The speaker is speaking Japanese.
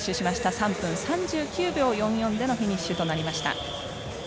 ３分３９秒４４でのフィニッシュとなりました。